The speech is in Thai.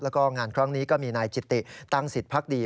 แล้วก็งานครั้งนี้ก็มีนายจิตติตั้งสิทธิพักดี